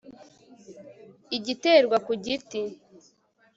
igiterwa ku giti